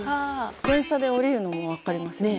電車で降りるのもわかりますね。